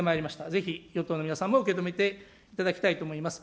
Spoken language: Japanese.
ぜひ与党の皆さんも受け止めていただきたいと思います。